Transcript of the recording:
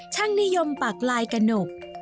ช่างนิยมปากลายกระหนก